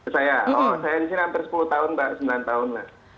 saya oh saya di sini hampir sepuluh tahun mbak sembilan tahun lah